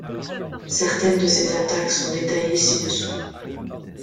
Certaines de ces attaques sont détaillées ci-dessous.